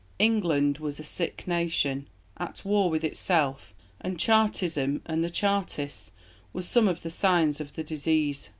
England was a sick nation, at war with itself, and Chartism and the Chartists were some of the signs of the disease.